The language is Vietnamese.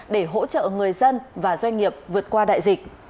để hỗ trợ người dân và doanh nghiệp vượt qua đại dịch